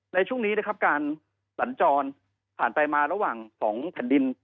ในช่วงนี้นะครับการสัญจรผ่านไปมาระหว่าง๒แผ่นดิน